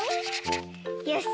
よし！